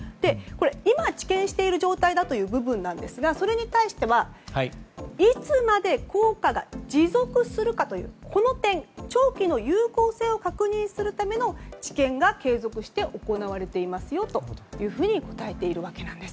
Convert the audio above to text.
今、治験している状態だという部分ですがそれに対してはいつまで効果が持続するかというこの点長期の有効性を確認するための治験が継続して行われていますよと答えているわけなんです。